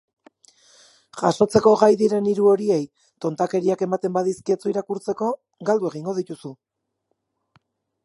Jasotzeko gai diren hiru horiei tontakeriak ematen badizkiezu irakurtzeko, galdu egingo dituzu.